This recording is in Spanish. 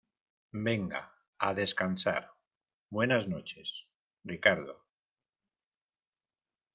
venga, a descansar. buenas noches , Ricardo .